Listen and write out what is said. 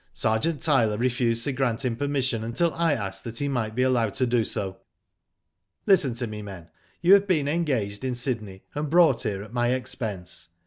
Sergeant Tyler refused to grant him permission until I asked that he might be allowed to do so. Listen to me, men. You have been engaged in Sydney, and brought here at my expense.